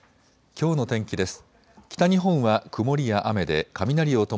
きょうの天気です。